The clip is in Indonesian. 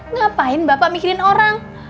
ngapain bapak mikirin orang